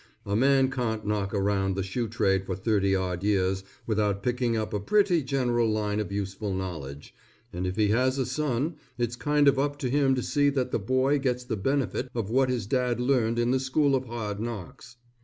A man can't knock around the shoe trade for thirty odd years without picking up a pretty general line of useful knowledge, and if he has a son, it's kind of up to him to see that the boy gets the benefit of what his dad learned in the School of Hard Knocks.